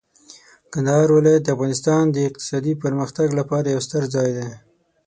کندهار ولایت د افغانستان د اقتصادي پرمختګ لپاره یو ستر ځای دی.